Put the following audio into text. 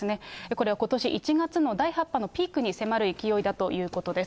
これはことし１月第８波のピークに迫る勢いだということです。